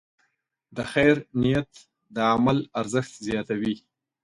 د خیر نیت د عمل ارزښت زیاتوي.